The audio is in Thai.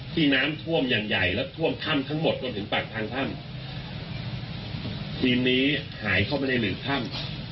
ที่น้ำท่วมอย่างใหญ่และท่วมถ้ำทั้งหมดจนถึงปากทางถ้ำทีมนี้หายเข้าไปในหนึ่งถ้ำ